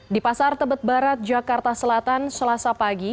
di pasar tebet barat jakarta selatan selasa pagi